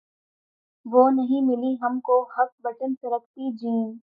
وہ نہیں ملی ہم کو ہک بٹن سرکتی جین